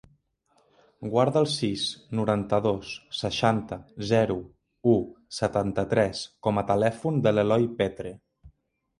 Guarda el sis, noranta-dos, seixanta, zero, u, setanta-tres com a telèfon de l'Eloi Petre.